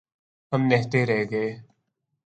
ہم نہتے رہ گئے۔